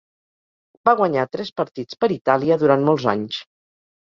Va guanyar tres partits per Itàlia, durant molts anys.